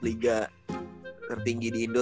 liga tertinggi di indo